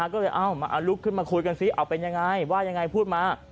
ก็เลยเอามาลุกขึ้นมาคุยกันซิเอาเป็นยังไงว่ายังไงพูดมา